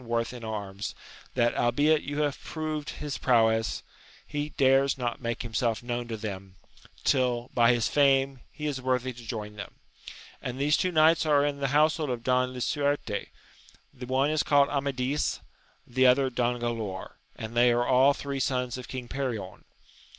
worth in arms, that, albeit you have proved his prowess, he dares not make himself known to them, till, by his fame, he is worthy to join them ; and these two knights are in the household of King Lisnarte, the one is called Amadis, the other Don Gralaor, and they are all three sons of King Perion.